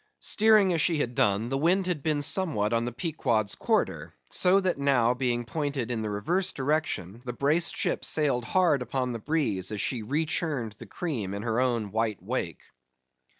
Steering as she had done, the wind had been somewhat on the Pequod's quarter, so that now being pointed in the reverse direction, the braced ship sailed hard upon the breeze as she rechurned the cream in her own white wake.